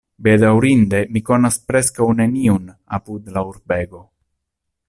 Bedaŭrinde, mi konas preskaŭ neniun apud la urbego.